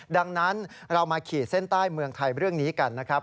ดังนั้นเรามาขีดเส้นใต้เมืองไทยเรื่องนี้กันนะครับ